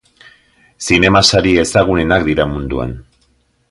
Zinema sari ezagunenak dira munduan.